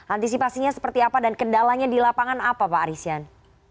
antisipasinya seperti apa dan kendalanya di lapangan apa pak arisan